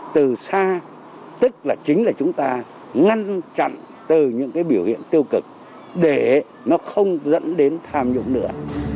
từ xa tức là chính là chúng ta ngăn chặn từ những cái biểu hiện tiêu cực để nó không dẫn đến tham nhũng nữa